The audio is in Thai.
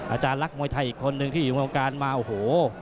อาจารย์รักมวยไทยอีกคนนึงที่อยู่วงการมาโอ้โห